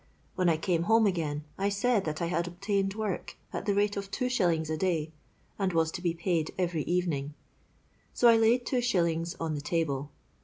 When I came home again I said that I had obtained work, at the rate of two shillings a day and was to be paid every evening. So I laid two shillings on the table.